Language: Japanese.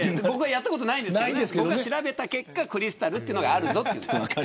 やったことないですけど僕が調べた結果クリスタルというのがあるぞっていう。